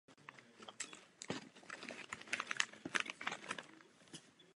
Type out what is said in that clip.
Tento typ sochařské tvorby rozvíjí po desetiletí v řadě tvůrčích řešení.